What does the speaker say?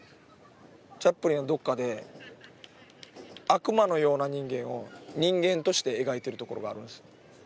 チャップリンはどこかで悪魔のような人間を人間として描いてるところがあるんです。